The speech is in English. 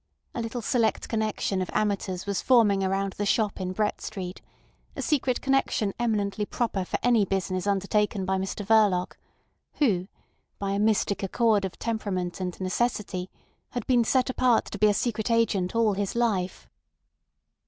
A little select connection of amateurs was forming around the shop in Brett Street, a secret connection eminently proper for any business undertaken by Mr Verloc, who, by a mystic accord of temperament and necessity, had been set apart to be a secret agent all his life.